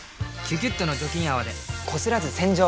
「キュキュット」の除菌泡でこすらず洗浄！